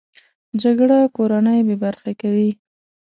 جګړه کورنۍ بې برخې کوي